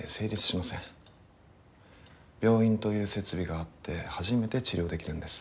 病院という設備があって初めて治療できるんです。